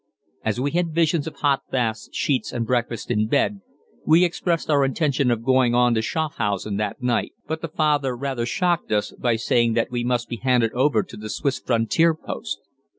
As we had visions of hot baths, sheets, and breakfast in bed, we expressed our intention of going on to Schafhausen that night, but the father rather shocked us by saying that we must be handed over to the Swiss frontier post.